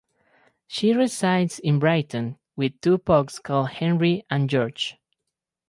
She resides in Brighton with two pugs called Henry and George.